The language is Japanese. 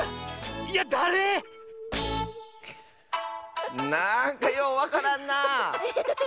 あれ⁉なんかようわからんな。